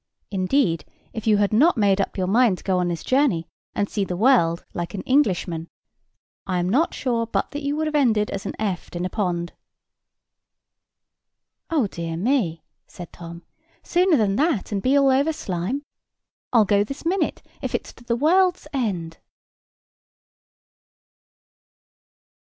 Indeed, if you had not made up your mind to go on this journey, and see the world, like an Englishman, I am not sure but that you would have ended as an eft in a pond." "Oh, dear me!" said Tom; "sooner than that, and be all over slime, I'll go this minute, if it is to the world's end."